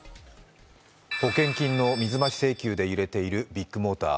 保険金の水増し請求で揺れているビッグモーター。